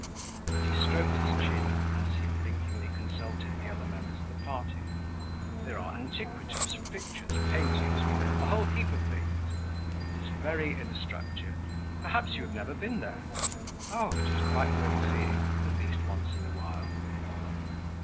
And he stroked his chin, as he blinkingly consulted the other members of the party. "There are antiquities, pictures, paintings, a whole heap of things. It is very instructive. Perhaps you have never been there. Oh! it is quite worth seeing at least once in a while."